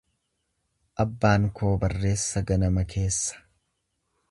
Abbaan koo barreessa ganama keessa.